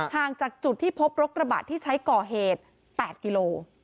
ห่างจากจุดที่พบรถกระบะที่ใช้ก่อเหตุ๘กิโล